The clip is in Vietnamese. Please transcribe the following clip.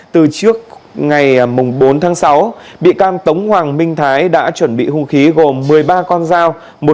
từ trước ngày bốn tháng sáu bị can tống hoàng minh thái đã chuẩn bị hung khí gồm một mươi ba con dao